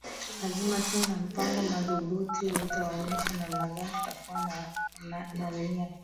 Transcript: Lazima tuwe na mpango madhubuti utaonesha namna gani tutakuwa na nia